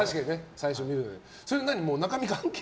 最初に見るのね。